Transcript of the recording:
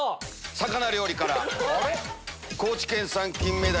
魚料理から。